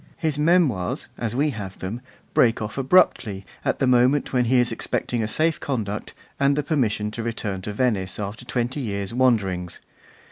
His Memoirs, as we have them, break off abruptly at the moment when he is expecting a safe conduct, and the permission to return to Venice after twenty years' wanderings.